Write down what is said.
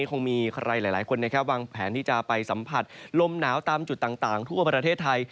คงมีใครหลายคนนะครับวางแผนที่จะไปสัมผัสลมหนาวตามจุดต่างทั่วประเทศไทย